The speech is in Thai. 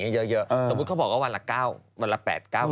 กินน้ำปากต่อปาก